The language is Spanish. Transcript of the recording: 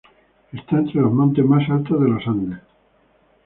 Está entre los montes más altos de los Andes.